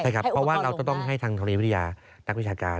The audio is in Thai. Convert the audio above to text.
เพราะว่าเราจะต้องให้ทางธุริยานักวิชาการ